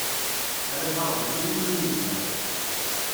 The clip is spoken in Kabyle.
Ala taṛbut iwumi izmer.